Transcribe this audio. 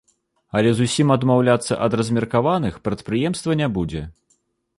Але зусім адмаўляцца ад размеркаваных прадпрыемства не будзе.